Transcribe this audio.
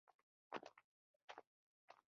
دا یو تاریخي ښار دی.